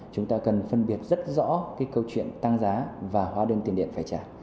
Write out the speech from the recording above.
chúng ta cần phân biệt rất rõ cái câu chuyện tăng giá và hóa đơn tiền điện phải trả